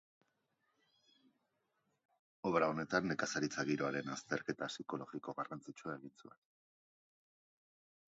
Obra honetan nekazaritza giroaren azterketa psikologiko garrantzitsua egin zuen.